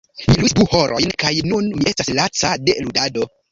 Mi ludis du horojn kaj nun mi estas laca de ludado.